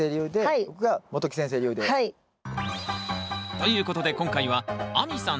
ということで今回は亜美さん